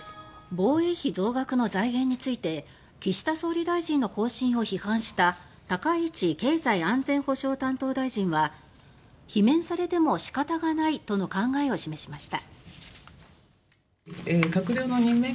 防衛費増額の財源について岸田総理大臣が一部を増税で賄う方針を示したことをツイッターで批判した高市経済安全保障担当大臣は「罷免されても仕方がない」との考えを示しました。